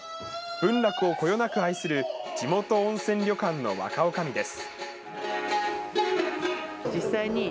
文楽をこよなく愛する、地元温泉旅館の若おかみです。